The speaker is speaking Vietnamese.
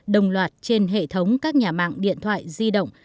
đồng loạt trên hệ thống các nhà mạng điện thoại di động